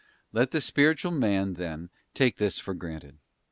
Let the spiritual man, then, take this for granted.